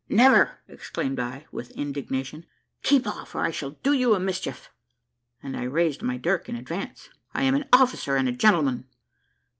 "Never!" exclaimed I with indignation. "Keep off, or I shall do you mischief" (and I raised my dirk in advance); "I am an officer and a gentleman."